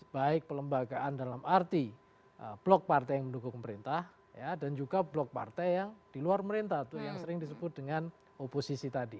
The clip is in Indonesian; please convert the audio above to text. baik pelembagaan dalam arti blok partai yang mendukung pemerintah dan juga blok partai yang di luar pemerintah yang sering disebut dengan oposisi tadi